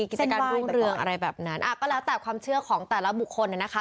กิจการรุ่งเรืองอะไรแบบนั้นก็แล้วแต่ความเชื่อของแต่ละบุคคลนะคะ